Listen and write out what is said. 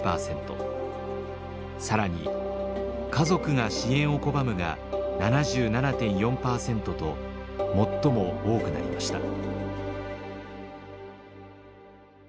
更に「家族が支援を拒む」が７７．４％と最も多くなりました。